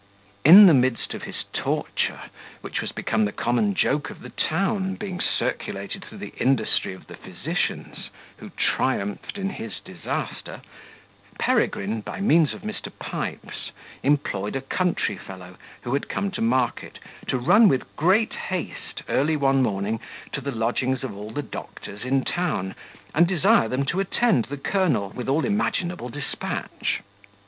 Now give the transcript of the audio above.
In the midst of his torture, which was become the common joke of the town, being circulated through the industry of the physicians, who triumphed in his disaster, Peregrine, by means of Mr. Pipes, employed a country fellow, who had come to market, to run with great haste, early one morning, to the lodgings of all the doctors in town, and desire them to attend the colonel with all imaginable despatch.